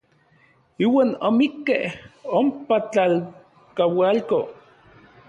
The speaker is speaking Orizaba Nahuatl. Iuan omikkej ompa tlalkaualko.